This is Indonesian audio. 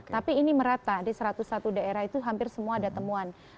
tapi ini merata di satu ratus satu daerah itu hampir semua ada temuan